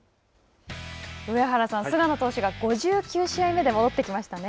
上原さん、菅野投手が５９試合目で戻ってきましたね。